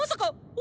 お？